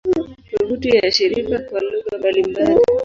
Tovuti ya shirika kwa lugha mbalimbali